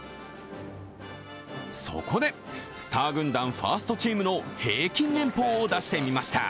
そこで、スター軍団ファーストチームの平均年俸を出してみました。